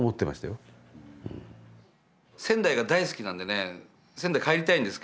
仙台が大好きなんでね仙台帰りたいんですけど